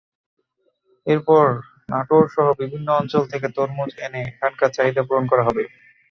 এরপর নাটোরসহ বিভিন্ন অঞ্চল থেকে তরমুজ এনে এখানকার চাহিদা পূরণ করা হবে।